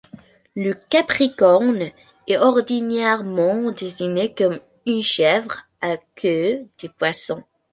Le Capricorne est ordinairement dessiné comme une chèvre à queue de poisson.